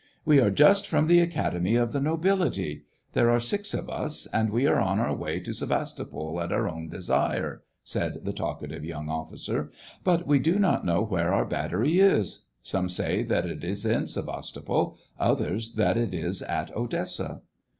" We are just from the academy of the nobility ; there are six of us, and we are on our way to Sevastopol at our own desire," said the talkative young officer. But we do not know where our battery is ; some say that it is in Sevastopol, others that it is at Odessa."